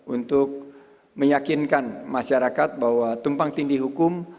untuk meyakinkan masyarakat bahwa tumpang tindih hukum